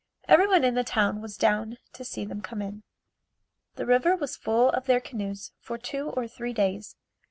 Everyone in the town was down to see them come in. The river was full of their canoes for two or three days.